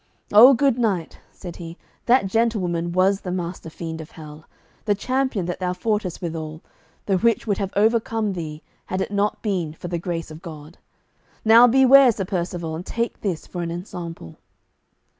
"Oh, good knight," said he, "that gentlewoman was the master fiend of hell, the champion that thou foughtest withal, the which would have overcome thee, had it not been for the grace of God. Now, beware, Sir Percivale, and take this for an ensample."